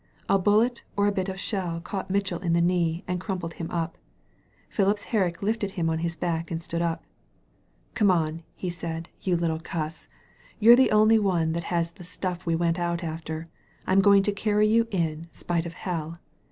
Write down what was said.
A bullet or a bit of shell caught Mitchell in the knee and crumpled him up. Phipps Herriek lifted him on his back and stood up. "Come on," he said, "you little cuss. You're the only one that has the stuff we went out after. I'm going to carry you in, 'spite of hell."